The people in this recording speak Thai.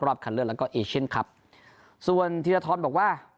รอบคันเลือร์แล้วก็เอเชนครับส่วนธีรธรป์บอกว่า